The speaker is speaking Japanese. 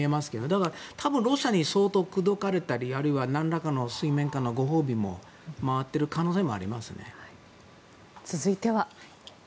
だから、多分ロシアに相当口説かれたりあるいはなんらかの水面下のご褒美も回っている続いては。